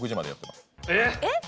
えっ！